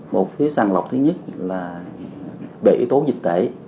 một phiếu sàng lọc thứ nhất là bị tố dịch tễ